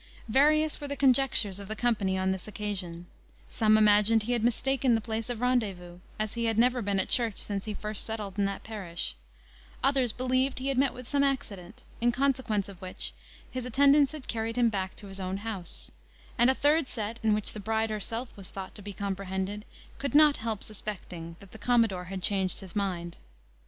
Various were the conjectures of the company on this occasion: some imagined he had mistaken the place of rendezvous, as he had never been at church since he first settled in that parish; others believed he had met with some accident, in consequence of which his attendants had carried him back to his own house; and a third set, in which the bride herself was thought to be comprehended, could not help suspecting that the commodore had changed his mind.